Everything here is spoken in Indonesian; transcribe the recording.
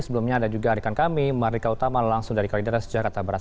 sebelumnya ada juga adik adik kami marika utama langsung dari kalidara sejak kata barat